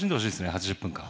８０分間。